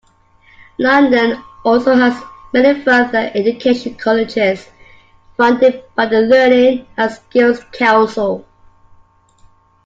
London also has many further education colleges funded by the Learning and Skills Council.